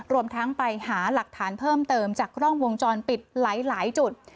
รวมทั้งไปหาหลักฐานเพิ่มเติมจากกล้องวงจรปิดหลายจุด